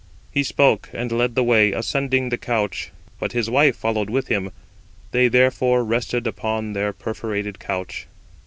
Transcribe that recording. He spoke, and led the way, ascending the couch; but his wife followed with him: they therefore rested upon their perforated couch.